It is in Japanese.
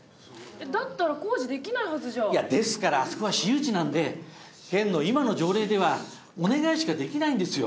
だったら工事できないはずじゃいやですからあそこは私有地なんで県の今の条例ではお願いしかできないんですよ